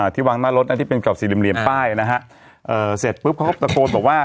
ที่วางหน้ารถที่เป็นกรอบสี่เหลี่ยมป้ายนะฮะเอ่อเสร็จปุ๊บเขาก็ตะโกนบอกว่า